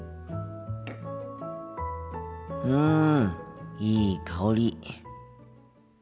うんいい香り。